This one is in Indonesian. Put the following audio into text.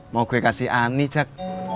mau gue kasih ani cek